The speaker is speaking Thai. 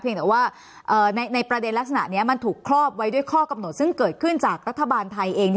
แต่ว่าในประเด็นลักษณะนี้มันถูกครอบไว้ด้วยข้อกำหนดซึ่งเกิดขึ้นจากรัฐบาลไทยเอง